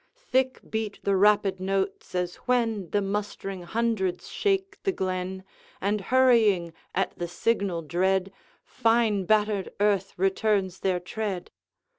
Thick beat the rapid notes, as when The mustering hundreds shake the glen, And hurrying at the signal dread, 'Fine battered earth returns their tread.